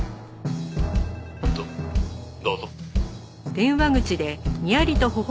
「どどうぞ」